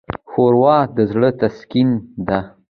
ښوروا د زړه تسکین ده.